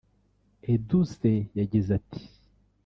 Edouce yagize ati